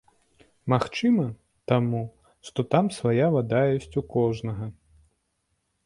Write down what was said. Магчыма, таму, што там свая вада ёсць у кожнага.